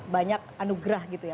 banyak anugerah gitu ya